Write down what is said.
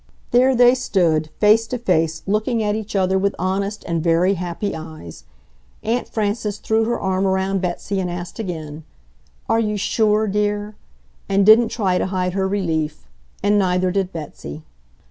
There they stood, face to face, looking at each other with honest and very happy eyes. Aunt Frances threw her arm around Betsy and asked again, "Are you SURE, dear?" and didn't try to hide her relief. And neither did Betsy.